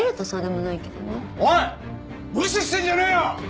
おい無視してんじゃねえよ！